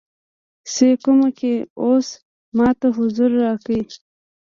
څې کومه کې اوس ماته حضور راکړی